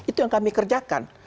itu yang kami kerjakan